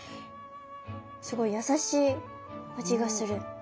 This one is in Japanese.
すごい優しい味がする。